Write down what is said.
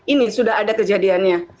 ini sudah ada kejadiannya